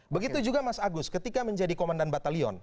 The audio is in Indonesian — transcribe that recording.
begitu juga mas agus ketika menjadi komandan batalion